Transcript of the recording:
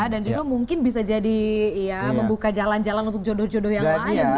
dan juga mungkin bisa jadi ya membuka jalan jalan untuk jodoh jodoh yang lain